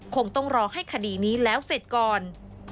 คงต้องรอให้คดีนี้แล้วเสร็จก่อน